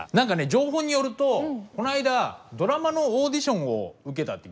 情報によるとこの間ドラマのオーディションを受けたって。